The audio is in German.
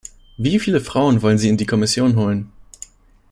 Wie viele Frauen wollen Sie in die Kommission holen?